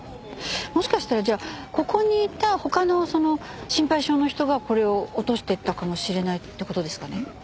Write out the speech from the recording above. もしかしたらじゃあここにいた他の心配性の人がこれを落としていったかもしれないって事ですかね？